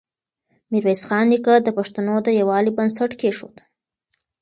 ميرويس خان نیکه د پښتنو د يووالي بنسټ کېښود.